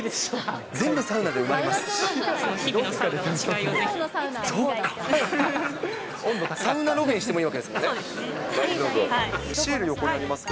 全部サウナで埋まります。